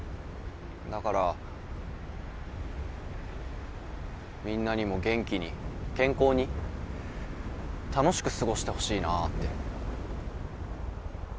だからみんなにも元気に健康に楽しく過ごしてほしいなって。